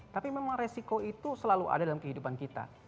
tapi memang resiko itu selalu ada dalam kehidupan kita